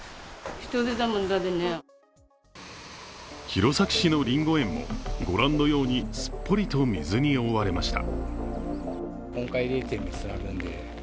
弘前市のりんご園も御覧のように、すっぽりと水に覆われました。